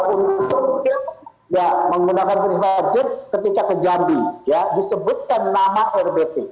untuk menggunakan berita jet ketika kejambi disebutkan nama rbt